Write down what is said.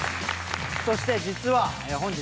そして実は本日ですね